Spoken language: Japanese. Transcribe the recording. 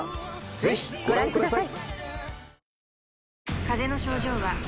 ぜひご覧ください。